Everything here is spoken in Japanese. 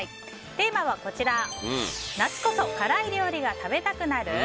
テーマは夏こそ辛い料理が食べたくなる？